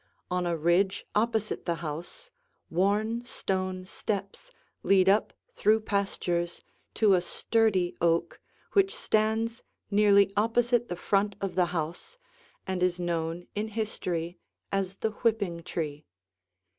On a ridge opposite the house, worn stone steps lead up through pastures to a sturdy oak which stands nearly opposite the front of the house and is known in history as the "whipping tree."